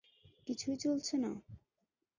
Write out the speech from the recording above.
কিছুই চলছে না?